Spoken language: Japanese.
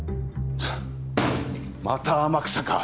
また天草か。